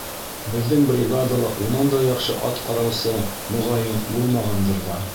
Беҙҙең бригадала унан да яҡшы ат ҡараусы, моғайын, булмағандыр ҙа.